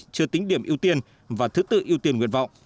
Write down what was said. chưa tính điểm ưu tiên và thứ tự ưu tiên nguyện vọng